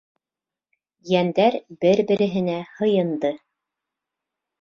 Йәндәр бер-береһенә һыйынды.